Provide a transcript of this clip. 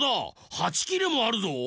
８きれもあるぞ。